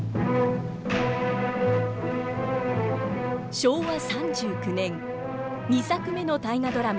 昭和３９年２作目の大河ドラマ